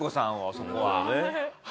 そこは。